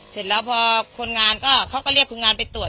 เสร็จแล้วพอคนงานก็เขาก็เรียกคนงานไปตรวจ